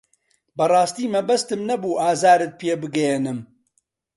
بەڕاستی مەبەستم نەبوو ئازارت پێ بگەیەنم.